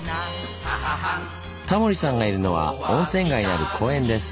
タモリさんがいるのは温泉街にある公園です。